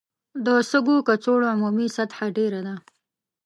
د سږو کڅوړو عمومي سطحه ډېره ده.